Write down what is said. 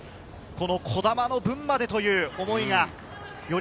児玉の分までという思いがより